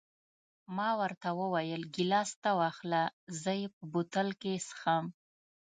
ما ورته وویل: ګیلاس ته واخله، زه یې په بوتل کې څښم.